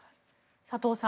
佐藤さん